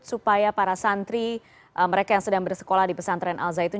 supaya para santri mereka yang sedang bersekolah di pesantren al zaitun